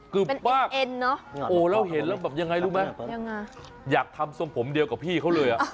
กึบป้ะโอ้แล้วเห็นแบบอย่างไรรู้มั้ยอยากทำทรงผมเดียวกับพี่เค้าเลยน่ะ